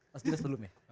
pas di res belum ya